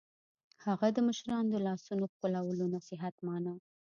هغه د مشرانو د لاسونو ښکلولو نصیحت مانه